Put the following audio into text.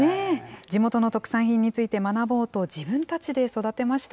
地元の特産品について学ぼうと、自分たちで育てました。